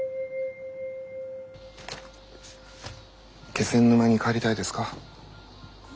気仙沼に帰りたいですか？